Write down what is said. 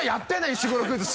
石黒クイズ